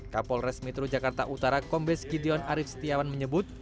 kapol resmetro jakarta utara kombes gideon arief setiawan menyebut